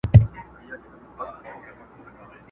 څه به د «میني انتظار» له نامردانو کوو؛